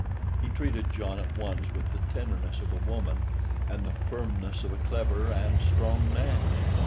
He treated John at once with the tenderness of a woman and the firmness of a clever and strong man.